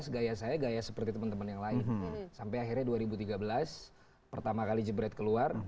gaya saya gaya seperti teman teman yang lain sampai akhirnya dua ribu tiga belas pertama kali jebret keluar